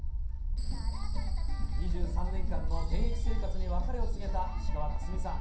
２３年間の現役生活に別れを告げた石川佳純さん。